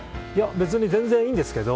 別に全然いいんですけど